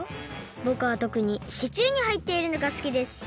ぼくはとくにシチューにはいっているのがすきです。